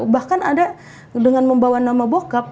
bahkan ada dengan membawa nama bokap